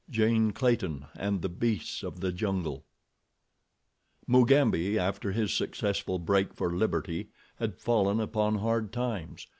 Jane Clayton and the Beasts of the Jungle Mugambi, after his successful break for liberty, had fallen upon hard times.